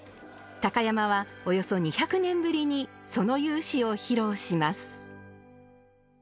鷹山はおよそ２００年ぶりにその雄姿を披露します。